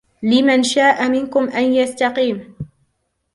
لمن شاء منكم أن يستقيم